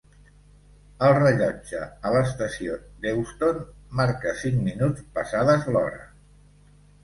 El rellotge a l'estació d'Euston marca cinc minuts passades l'hora.